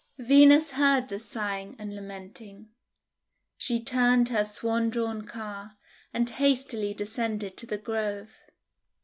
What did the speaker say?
Venus heard the sighing and lamenting. She turned her swan drawn car, and hastily descended to the Grove.